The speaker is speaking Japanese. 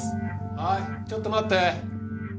はいちょっと待って。